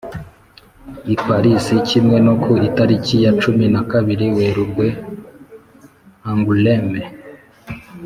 i parisi kimwe no ku itariki ya cumi na kabiri werurwe angoulême